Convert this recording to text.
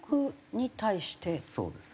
そうですね。